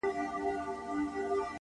هغه بدل دی لکه غږ چي مات بنگړی نه کوي _